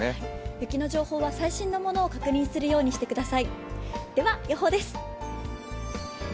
雪の情報は最新のものを確認するようにしてください。